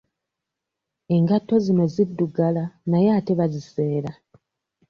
Engatto zino ziddugala naye ate baziseera.